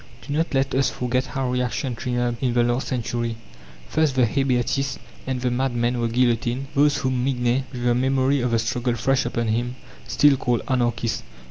Do not let us forget how reaction triumphed in the last century. First the "Hébertists" and "the madmen," were guillotined those whom Mignet, with the memory of the struggle fresh upon him, still called "Anarchists."